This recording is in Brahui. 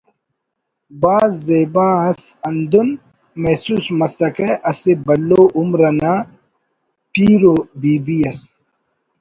بھاز زیبا ئس ہندن محسوس مسکہ اسہ بھلو عمر انا پیر ءُ بی بی اس